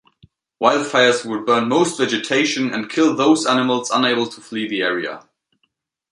Wildfires will burn most vegetation and kill those animals unable to flee the area.